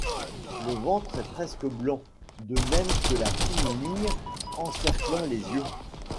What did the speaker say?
Le ventre est presque blanc, de même que la fine ligne encerclant les yeux.